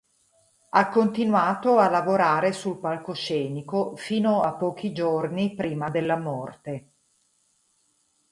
Ha continuato a lavorare sul palcoscenico fino a pochi giorni prima della morte.